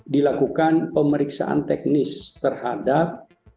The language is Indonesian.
dilakukan pemeriksaan teknis terhadap